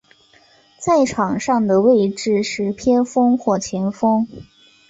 在场上的位置是边锋或前锋。